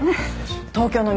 東京の都